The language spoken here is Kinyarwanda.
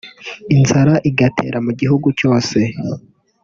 inzara igatera mu gihugu cyose